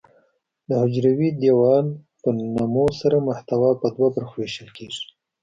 د حجروي دیوال په نمو سره محتوا په دوه برخو ویشل کیږي.